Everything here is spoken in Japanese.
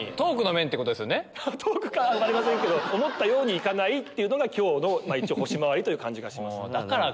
トークかは分かりませんけど思ったように行かないのが今日の星回りという感じがします。